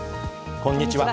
こんにちは。